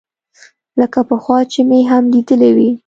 لکه پخوا چې مې هم ليدلى وي.